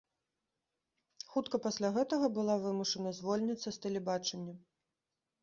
Хутка пасля гэтага была вымушана звольніцца з тэлебачання.